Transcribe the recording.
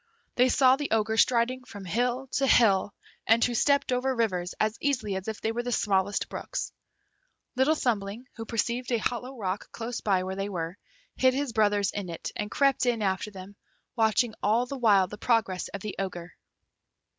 They saw the Ogre striding from hill to hill, and who stepped over rivers as easily as if they were the smallest brooks. Little Thumbling, who perceived a hollow rock close by where they were, hid his brothers in it, and crept in after them, watching all the while the progress of the Ogre.